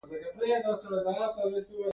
ماښام تر ناوخته خوب نه راځي.